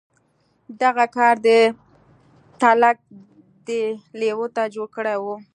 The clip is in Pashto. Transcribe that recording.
دغه کار دی تلک دې لېوه ته جوړ کړی و.